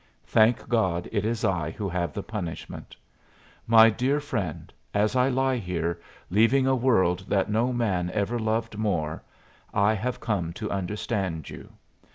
Thank God, it is I who have the punishment. My dear friend, as I lie here, leaving a world that no man ever loved more, I have come to understand you.